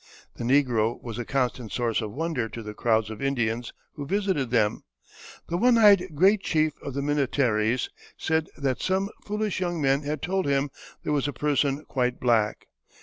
The negro was a constant source of wonder to the crowds of Indians who visited them. The one eyed great chief of the Minnetarees said that some foolish young men had told him there was a person quite black.